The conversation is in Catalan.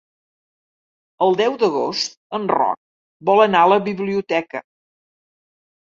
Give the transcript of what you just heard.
El deu d'agost en Roc vol anar a la biblioteca.